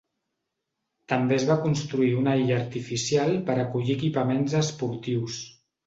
També es va construir una illa artificial per acollir equipaments esportius.